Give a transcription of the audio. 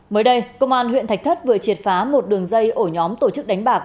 mới đây công an huyện thạch thất vừa triệt phá một đường dây ổ nhóm tổ chức đánh bạc